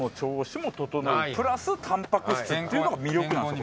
プラス。っていうのが魅力なんですよ。